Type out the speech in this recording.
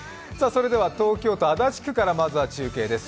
それでは東京都足立区からまずは中継です。